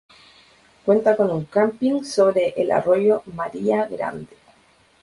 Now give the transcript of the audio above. Cuenta con un camping sobre el arroyo María Grande.